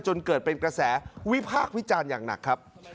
จนเกิดเป็นกระแสวิพากษ์วิจารณ์อย่างหนักครับ